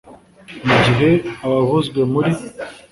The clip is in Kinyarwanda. Mu gihe abavuzwe muri